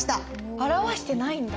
表してないんだ。